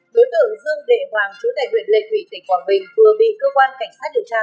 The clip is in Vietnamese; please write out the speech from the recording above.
đối tượng dương đệ hoàng chủ tài nguyện lệ thủy tỉnh quảng bình vừa bị cơ quan cảnh sát điều tra